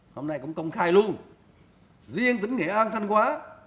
hôm nay cũng công khai luôn riêng tỉnh nghệ an thanh hóa